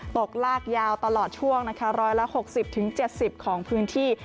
ตกลากยาวตลอดช่วงนะคะ๑๖๐๗๐ของพื้นที่